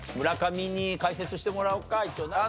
村上に解説してもらおうか一応。